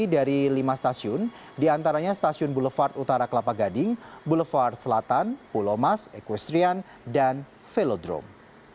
dari lima stasiun diantaranya stasiun boulevard utara kelapa gading boulevard selatan pulau mas equestrian dan velodrome